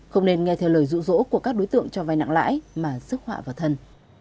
không nên nghe theo lời rụ rỗ của các đối tượng cho vai nặng lãi mà sức họa vào thân